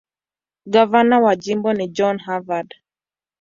Gavana wa jimbo ni John Harvard.